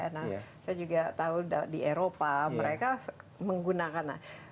nah saya juga tahu di eropa mereka menggunakan